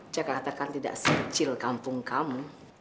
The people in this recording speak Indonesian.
jakarta kan tidak sekecil kampung kamu